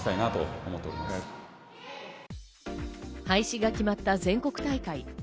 廃止が決まった全国大会。